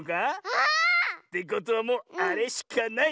あ！ってことはもうあれしかない。